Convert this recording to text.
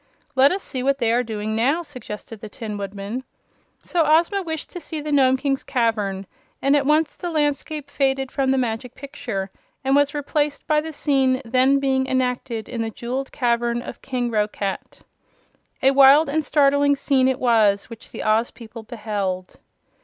"Let us see what they are doing now," suggested the Tin Woodman. So Ozma wished to see the Nome King's cavern, and at once the landscape faded from the Magic Picture and was replaced by the scene then being enacted in the jeweled cavern of King Roquat. A wild and startling scene it was which the Oz people beheld.